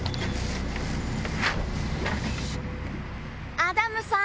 アダムさん！